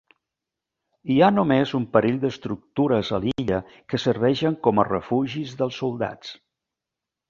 Hi ha només un parell d'estructures a l'illa que serveixen com a refugis dels soldats.